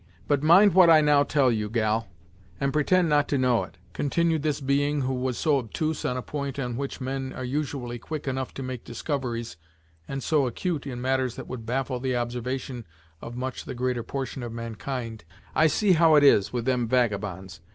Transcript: But mind what I now tell you, gal, and pretend not to know it," continued this being, who was so obtuse on a point on which men are usually quick enough to make discoveries, and so acute in matters that would baffle the observation of much the greater portion of mankind, "I see how it is, with them vagabonds.